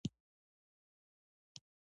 ته همداسې وې لکه همدا نن چې یې نه بدلېدونکې.